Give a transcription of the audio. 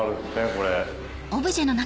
これ。